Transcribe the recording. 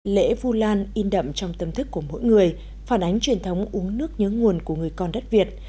lễ vu lan in đậm trong tâm thức của mỗi người phản ánh truyền thống uống nước nhớ nguồn của người con đất việt